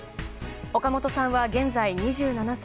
岡本さんは、現在２７歳。